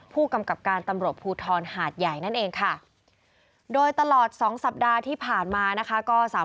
ผู้กำกับการตำรวจภูทรหาดใหญ่นั่นเองค่ะ